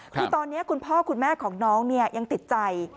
คือตอนนี้คุณพ่อคุณแม่ของน้องยังติดใจ